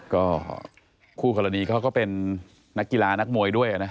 ก็คู่กรณีเขาก็เป็นนักกีฬานักมวยด้วยนะ